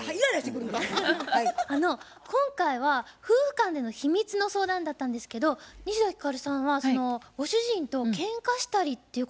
今回は夫婦間での秘密の相談だったんですけど西田ひかるさんはご主人とけんかしたりっていうことあるんですか？